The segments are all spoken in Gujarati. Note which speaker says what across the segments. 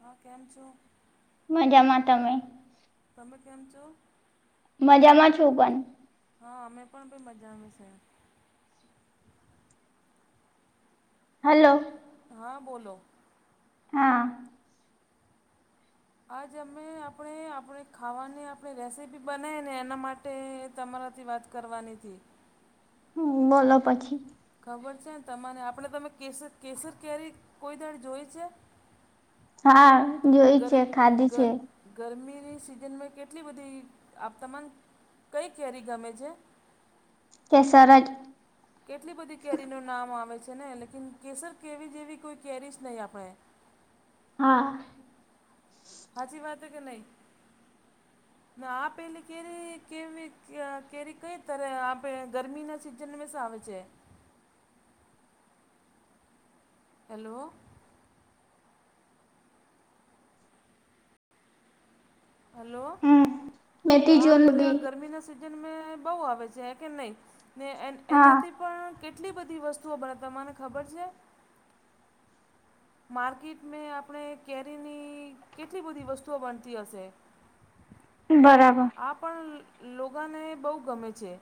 Speaker 1: હા કેમ છું.
Speaker 2: મજામાં તમે.
Speaker 1: તમે કેમ છો?
Speaker 2: મજામાં છું પણ
Speaker 1: હા અમે પણ મજામાં છે.
Speaker 2: હલો.
Speaker 1: હા બોલો
Speaker 2: હા.
Speaker 1: આજ અમે આપણે આપણે ખાવાની આપણી રેસીપી બનાવી ને એના માટે તમારાથી વાત કરી કરવાની હતીથી.
Speaker 2: બોલો પછી
Speaker 1: ખબર છેને તમાને આપણે તમે કેસર કેસર કેરી કોઈ દાડ જોઈ છે.
Speaker 2: હા જોઈ
Speaker 1: ગર
Speaker 2: છે ખાધી
Speaker 1: ગ
Speaker 2: છે.
Speaker 1: ગરમીની સિઝનમાં કેટલી બધી આપ તમામ કઈ કેરી ગમે છે.
Speaker 2: કેસર જ
Speaker 1: કેટલી બધી કેરી નુ નામ આવે છે ને લેકિન કેસર કેરી જેવી કોઈ કેરી જ નહીં આપણે.
Speaker 2: હા.
Speaker 1: હાચી વાત કે નહી. આ પેલી કેરી કેવી કેરી કઈ ત આપે ગરમી ના જ જન્મિસ આવે છે. હેલો. હેલો
Speaker 2: હમ મેથી
Speaker 1: હા
Speaker 2: જોયેલું
Speaker 1: પેલી
Speaker 2: બી
Speaker 1: આ ગરમી ના સિઝન મે બહુ આવે છે કે નહીં ને એનાથી
Speaker 2: હા
Speaker 1: પણ કેટલી બધી વસ્તુઓ બને તને ખબર છે. માર્કેટ મે આપણે કેરીની કેટલી બધી વસ્તુઓ બણતી હશે.
Speaker 2: બરાબર.
Speaker 1: આ પણ લોકોને બહુ ગમે છે.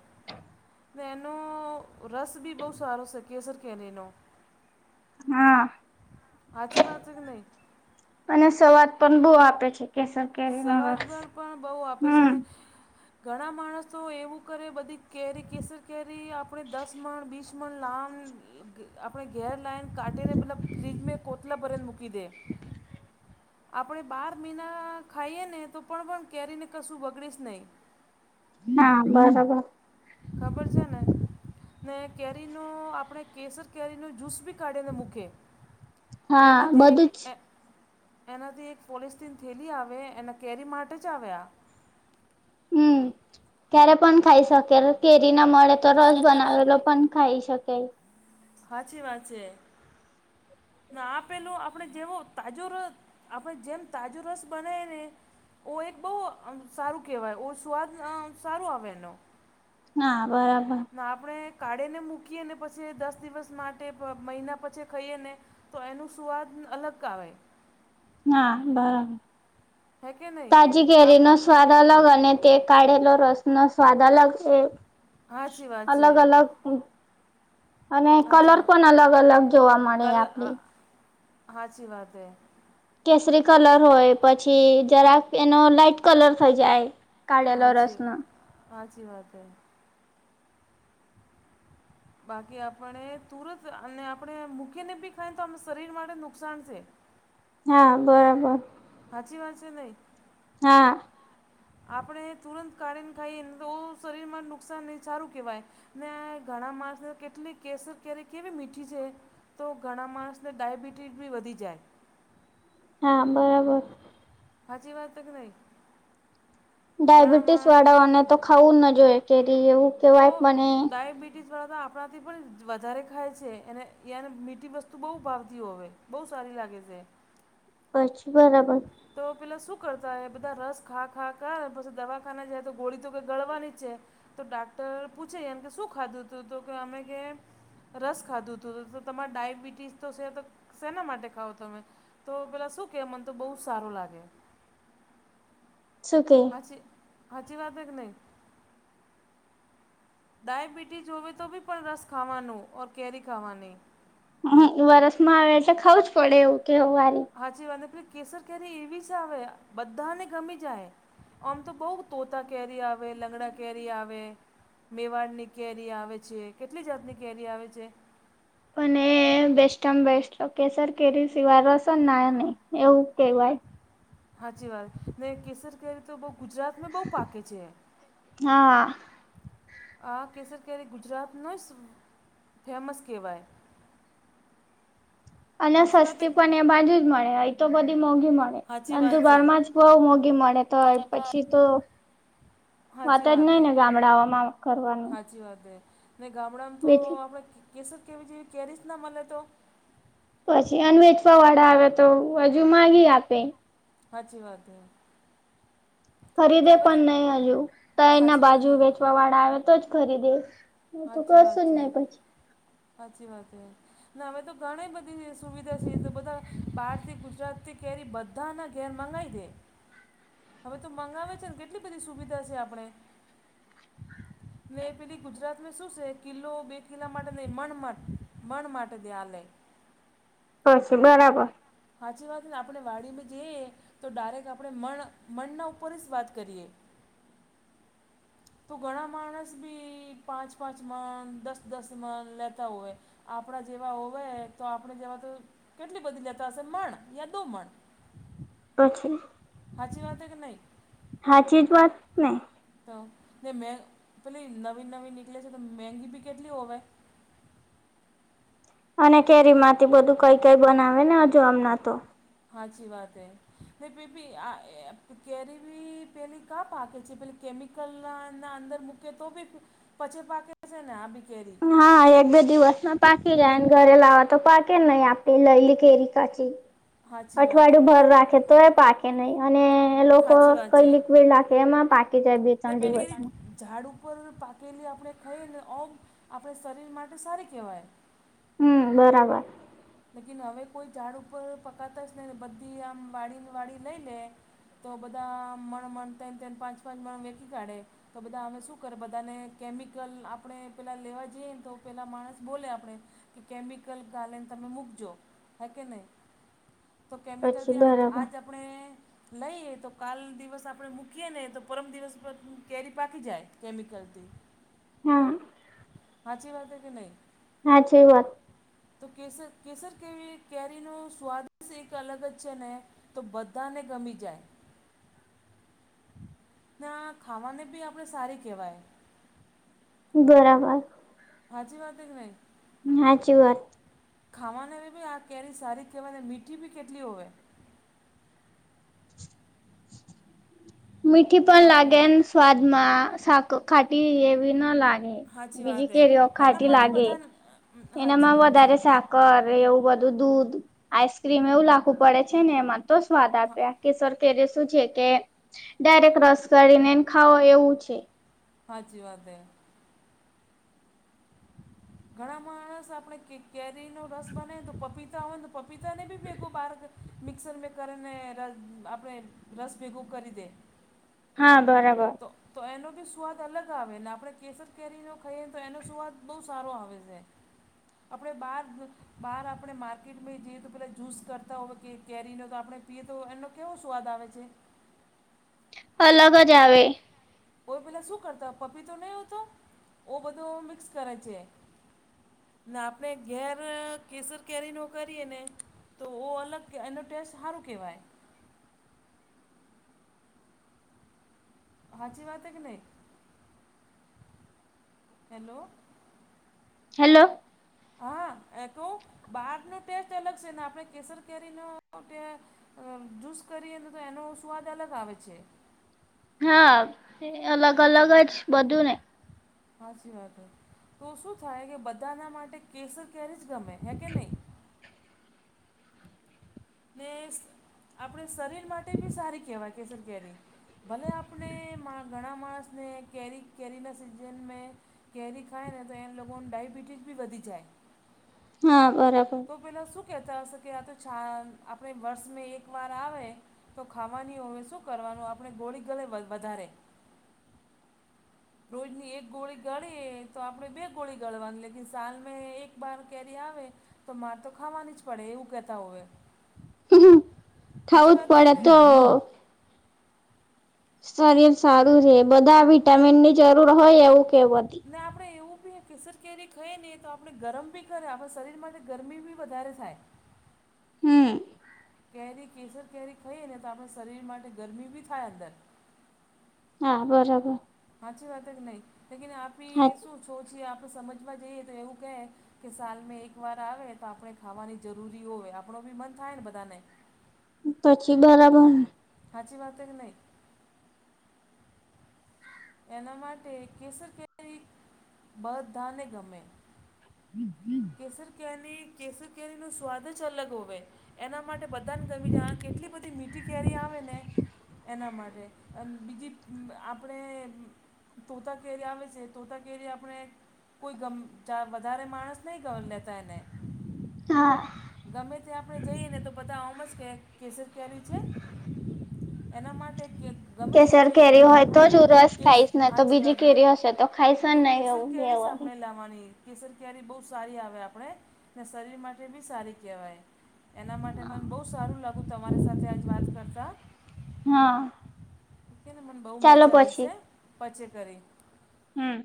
Speaker 1: એનો રસ બી બહુ સારો છે કેસર કેરીનો
Speaker 2: હા
Speaker 1: હાચી વાત સ કે નહી.
Speaker 2: અને સ્વાદ પણ બહુ આપે છે. કેસર કેરી.
Speaker 1: સ્વાદ પણ બહુ આપે છે ને ઘણા માણસ તો એવું કરે બધી કેરી કેસર કેરી આપણે દસ મણ બીસ મણ લાં આપણે ઘેર લાઈન કાઢીને મતલબ ફ્રીજમાં કોતલા ભરેને મૂકી દે. આપણે બાર મહિના ખાઈએ ને તો પણ ણ કેરીને કશું બગડીશ નહીં.
Speaker 2: હા બરાબર.
Speaker 1: ખબર છે ને ને કેરીનો આપણે કેસર કેરીનો જ્યુસ બી કાઢેને મૂકે
Speaker 2: હા
Speaker 1: એનાથી
Speaker 2: બધું જ
Speaker 1: એનાથી એક પોલીસથીન થેલી આવે એના કેરી માટે જ આવે આ
Speaker 2: હમ ક્યારે પણ ખાઈ શકે કેરી ના મળે તો રસ
Speaker 1: મારે તો
Speaker 2: બનાવેલો
Speaker 1: રસ
Speaker 2: પણ ખાઈ શકે
Speaker 1: હાચી વા છે આ પેલું આપણે જેવો તાજો ર આપણે જેમ તાજો રસ બનાય ને ઓ એક બહુ સારું કહેવાય ઓ સ્વાદ સારું આવે એનો
Speaker 2: ના બરાબર
Speaker 1: આપણે કાઢી ને મૂકીએ ને પછી દસ દિવસ માટે મહિના પછી ખાઈએ ને તો એનું સ્વાદ અલગ કય
Speaker 2: હા બરાબર
Speaker 1: હે કે નહીં
Speaker 2: તાજી
Speaker 1: આપ
Speaker 2: કેરી ન સ્વાદ અલગ અને તે કાઢેલો રસનો સ્વાદ અલગ એ
Speaker 1: હાચી વાત છે
Speaker 2: અલગ અલગ અને
Speaker 1: હાચી
Speaker 2: કલર
Speaker 1: વાત
Speaker 2: પણ અલગ અલગ જોવા મળે
Speaker 1: કલ આ
Speaker 2: આપડી
Speaker 1: હાચી વાત હૈ
Speaker 2: કેસરી કલર હોય પછી જરાક એનો લાઈટ કલર થઈ જાય કાઢેલો
Speaker 1: આચી
Speaker 2: રસનો
Speaker 1: પાચી વાત હૈ બાકી આપણે તુરંત અને આપણે મૂકીને બી ખાય તો આમ શરીર માટે નુકસાન છે
Speaker 2: હા બરાબર
Speaker 1: હાચી વાચ નહી
Speaker 2: હા
Speaker 1: આપણે તુરંત કાળીને ખાઈએ ને તો શરીરમાં નુકસાન નહી સારું કહેવાય ને ઘણા માણસ કેટલી કેસર કેરી કેવી મીઠી છે તો ઘણા માણસને ડાયબિટીઝ બી વધી જાય
Speaker 2: હા બરાબર
Speaker 1: હાચી વાત તો કે નઈ
Speaker 2: ડાયાબિટીસ વાળાઓને તો ખાવું ન જોઈએ કેરી એવું
Speaker 1: તો
Speaker 2: કેવાય પણ
Speaker 1: ડાયબિ ટી ભરાતા આપણાથી પણ વધારે ખાય છે અનેને એને મીઠી વસ્તુ બહુ ભાવતી હોય બહુ સારી લાગે છે
Speaker 2: અચછી બરાબર
Speaker 1: તો પેલા શું કરતાય બધા રસ ખા ખા ખા પછી દવાખાના જાય તો ગોળી તો ગળવાની જ છે તો ડાક્ટર પૂછેમ કે શું ખાધું હતું તો કે અમે કે રસ ખાધું હતું તો તમારે ડાયાબિટીસ તો છે તો શેના માટે ખાાવ તમે તો પેલા શું કે મ તો બહુ સારું લાગે
Speaker 2: શું કે
Speaker 1: હા હજી વાત કે નં ડાયાબિટીસ હોવે તો બી પણ રસ ખાવાનું ઓર કેરી ખાવાની
Speaker 2: હમ વરસ માં આવે એટલે ખઉું જ પડે એવું કે વારી
Speaker 1: હાચી વાને પેલે કેસર કેરી એવી જ આવે બધાને ગમી જાય આમ તો બઉ તોતા કેરી આવે લંગડા કેરી આવે મેવાડની કેરી આવે છે કેટલી જાતની કેરી આવે છે
Speaker 2: પણ એ બેસ્ટમ બેસ્ટ કેસર કેરી સિવાય રસન ના નહી એવું કહેવાય
Speaker 1: હાચી વાત ને કેસર કેરી તો બહુ ગુજરાતમાં બહુ પાકે છે
Speaker 2: હા
Speaker 1: આ કેસર કે્યારે ગુજરાતનો જ ફેમસ કહેવાય [inaudible]
Speaker 2: અને
Speaker 1: વાત હે
Speaker 2: સસ્તી પણ એ બાજુ જ મળે અ તો બધી મોંઘી મળે
Speaker 1: સાચી
Speaker 2: ના તો
Speaker 1: વાત
Speaker 2: બાર
Speaker 1: છે
Speaker 2: માં જ બ મોઘી મળે તો પછી તો વાત
Speaker 1: સાચી
Speaker 2: જ નઈ
Speaker 1: હે
Speaker 2: ને ગામડાઓમાં કરવાનું,
Speaker 1: સાચી વાત હે ગામડામાં તો
Speaker 2: વેચી
Speaker 1: આપણે કેસર કેવી જેવી કેરીજ ના મળે તો,
Speaker 2: પછી અન વેચવા વાળા આવે તો હજુ માગી આપે,
Speaker 1: હાચી વાત હે,
Speaker 2: ખરીદે
Speaker 1: તો હવે તો
Speaker 2: પણ નહી હજુ તા એના
Speaker 1: હાચી વાત
Speaker 2: બાજુ વેચવા વાળા આવે તો જ ખરીદે [unintelligible]
Speaker 1: હાચી વાત
Speaker 2: કસુ જ
Speaker 1: છે
Speaker 2: નઈ પછી
Speaker 1: હાચી વાત હે ના હવે તો ઘણી બધી સુવિધા છે તો બધા બહારથી ગુજરાતથી કેરી બધાના ઘેર મગાવીદે હવે તો મંગાવે છે ને કેટલી બધી સુવિધા છે આપણે ને પેલી ગુજરાતમાં શું છે? કિલ્લો બે કિલ્લા માટે મણ મણ મલ માટે દ્યા લે
Speaker 2: પછી બરાબર
Speaker 1: સાાચી વાત ને આપણે વાડી મે જઈએ. તો ડાયરેક્ટ આપણે મનના ઉપર જ વાત કરીએ, તો ઘણા માણસ બી પાંચ પાંચ મણ દસ દસ મણ લેતા હોય. આપણા જેવા હોવે તો આપણે જેવા તો કેટલી બધી લે [unintelligible] યા દો માન
Speaker 2: પછી
Speaker 1: સાચી વાત કે નહીં
Speaker 2: હાચી જ વાત ને
Speaker 1: તો ને મે પેલી નવી નવી નીકળે છે, તો મેગી ભી કેટલી હોવે
Speaker 2: અને કેરી માંથી બધું કઈ કઈ બનાવે ને હજુ આમના તો
Speaker 1: હાચી વાત હૈ, [unintelligible] પી કેરી પેલી કા પાકે છે પેલી કેમિકલ ના અંદર કે તો ભી પછે પાકે છે ને આભી કેરી
Speaker 2: હા, એક બે દિવસમાં પાકી જાય ને ઘરે લાવે તો પાકે નહી આપે લઈ ઈ કેરી કાચી
Speaker 1: સાચી વાત
Speaker 2: અઠવાડિયું
Speaker 1: ઓર
Speaker 2: ભર
Speaker 1: બી
Speaker 2: રાખે તો એ પાકે નહીં અને એ લોકો
Speaker 1: સાચી વાત
Speaker 2: કઈ
Speaker 1: છે
Speaker 2: લિક્વિડ રાખે એમાં પાકે
Speaker 1: [unintelligible] ઝાડ ઉપર પાકેલી આપણે ખાઈ ને ઓ આપણે શરીર માટે સારી કહેવાય.
Speaker 2: હમ્મ, બરાબર
Speaker 1: લેકીન હવે કોઈ ઝાડ ઉપર પકાતા જ ને બધી આમ વાડીને વાડી લઈલે તો બધા મણ મણ તન તન પાંચ પાંચ મણ વેચી કાઢે, તો બધા અમે શું કર બધાને કેમિકલ આપણે પેલા લેવા જઈએ ને તો પેલા માણસ બોલે આપણે. કેમિકલ ગાલેન તમે મૂકજો હે કે નહીં તો
Speaker 2: પછી
Speaker 1: કેમિકલથી આ
Speaker 2: બરાબર
Speaker 1: આજ આપણે, નઈ એ તો કાલ દિવસ આપણે મૂકીયે ને તો પરમ દિવસ કેરી પાકી જાય કેમિકલથી [inaudible]
Speaker 2: હમ્મ
Speaker 1: હાચી વાત હે કે નઈ
Speaker 2: હા છે વાત
Speaker 1: કેસર કેસર કેવી કેરીનો સ્વાદ એક અલગ જ છે ને, તો બધાને ગમી જાય, ના ખાવાને બી આપણે સારી કહેવાય.
Speaker 2: બરાબર
Speaker 1: હાચી વાત કે નહી,
Speaker 2: હાચી વાત
Speaker 1: ખાવાને ભી આ કેરી સારી કહેવાય મીઠી બી કેટલી હોય,
Speaker 2: મીઠી પણ
Speaker 1: એના
Speaker 2: લાગે સ્વાદમાં સાક ખાટી એવી ના લાગે
Speaker 1: સાચી
Speaker 2: બીજી
Speaker 1: વાત હે
Speaker 2: કેરીઓ
Speaker 1: એના
Speaker 2: ખાટી
Speaker 1: માટે
Speaker 2: લાગે
Speaker 1: બધા સાચી
Speaker 2: એનામાં
Speaker 1: વાત છે
Speaker 2: વધારે શાક કર એવું બધું દૂધ આઈસ્ક્રીમ એવું લાખવું પડે છે ને એમાં તો સ્વાદ આપે. [unintelligible] શું છે કે ડાયરેક્ટ રસ કરીનેને ખાવો એવું છે.
Speaker 1: હાચી વાત હે ઘણા માણસ આપણે કેરી નો રસ બનાવી તો પપીતા હો પપીતા ને બી બેકો બાર્ગ મિક્સર મે કરીને આપણે રસ ભેગું કરી દે
Speaker 2: હા બરાબર
Speaker 1: તો તો એનો બી સ્વાદ અલગ આવે આપડે કેસર કેરીનો ખાઈએ ને તો એનો સ્વાદ બહુ સારો આવે છે આપડે બાર બહાર આપણે માર્કેટમાં જઈએ તો પેલા જુસ કરતા હોય કે કેરીનો તો આપણે પીએ તોય એનો કેવો સ્વાદ આવે છે?
Speaker 2: અલગ જ આવે
Speaker 1: ઓ એ પેલા શું કરતા પપીતો નઈ હતો ઓ બધો મિક્સ કરે છે ને આપણે ઘેર કેસર કેરી નો કરીએ ને તો ઓ અલગ એનો ટેસ્ટ હારું કેવાય હાચી વાતહે કે નઈ હેલો
Speaker 2: હેલો
Speaker 1: હા એ તો બહાર નો ટેસ્ટ અલગ છે ને આપણે કેસર કેરી નો ટે અ જૂસ કરીએને તો એનો સ્વાદ અલગ આવે છે
Speaker 2: હા અલગ અલગ જ બધું ને
Speaker 1: હાચી વાત તો શું થાય કે બધાના માટે કેસર કેરી જ ગમે હે કે નહીં ને આપણે શરીર માટે બી સારી કહેવાય કેસર કેરી ભલે આપણે ઘણા માણસને કેરી કેરીના સીઝનમાં કેૅરી ખાયને તો એ લોકોગને ડાયબિટીઝ બી વધી જાય [inaudible]
Speaker 2: હા બરાબર
Speaker 1: તો પહેલાં શું કહેતા હશે કે આ તો છ આપણે વર્ષ મેં એક વાર આવે તો ખાવાની હોવે શું કરવાનું આપણે ગોળી ગલે વધારે રોજની એક ગોળી ગળીએ તો આપડે બે ગોળી ગળવાની લેકિન સાલ મેં એક બાર કેરી આવે તો મારે તો ખાવાની જ પડે એવું કહેતા હોય
Speaker 2: થઉ જ
Speaker 1: વાત હે
Speaker 2: પડે
Speaker 1: કે
Speaker 2: તો
Speaker 1: નહીં
Speaker 2: શરીર સારું છે બધા વિટામીન ની જરૂર હોય એવું કેધ
Speaker 1: ને આપણે એવું બી કિસટ કેરી ખાઈએ નહીં તો આપણે ગરમ બી કર આપણા શરીરમાં ગરમી બી વધારે થાય
Speaker 2: હમ
Speaker 1: કેરી કેસર કેરી ખાઈએ ને તો આપણા શરીર માટે ગરમી બી થાય અંદર
Speaker 2: હા બરાબર
Speaker 1: હાચી વાત કે નહીં લકીને આપી
Speaker 2: હા
Speaker 1: શું છો છીએ આપણે સમજવા જઈએ તો એવું કહે કે સાલ મે એક વાર આવે તો આપણે ખાવાની જરૂરી હોય આપણો ભી મન થાય ને બધાને
Speaker 2: પછી બરાબર
Speaker 1: હાચી વાત હે કે નહી એના માટે કેસર કે બધાને ગમે
Speaker 2: [inaudible]
Speaker 1: કેસર કેરી કેસર કેરીનો સ્વાદ જ અલગ હોવે એના માટે બધાને ગમી જા કેટલી બધી મીઠી કેરી આવે ને એના માટે અન બીજી આપડે તુતા કેરી આવેશે, તુતા કેરી આપણે કોઈ ગમ ચાર વધારે માણસ નહી ગન લેતા એને
Speaker 2: હા
Speaker 1: ગમે ત્યાં આપડે જઈએ ને તો બધા આમ જ કેય કેસર કેરી છે એના માટે કે ગમે તે
Speaker 2: કેસર
Speaker 1: જઈએ
Speaker 2: કેરી
Speaker 1: ને તો
Speaker 2: હોય
Speaker 1: આપણે
Speaker 2: જ હું રસ
Speaker 1: કેસ
Speaker 2: ખાઈશ ને તો
Speaker 1: હાચી
Speaker 2: બીજી
Speaker 1: વાત
Speaker 2: કેરી હશે તો ખાઈશ જ
Speaker 1: તો
Speaker 2: નહી
Speaker 1: કેસર
Speaker 2: એવું
Speaker 1: કેરી સા
Speaker 2: કહેવાય.
Speaker 1: આપણે લાવાની કેસર કરી બહુ સારી આવે આપડે ને શરીર માટે બી સારી કહેવાય એના માટે મને બહુ સારું લાગુ તમારી સાથે આજ વાત કરતા
Speaker 2: હા
Speaker 1: કીને મને બહુ
Speaker 2: ચાલો
Speaker 1: મજા આઈ છે, પછે કરી
Speaker 2: હમ્મ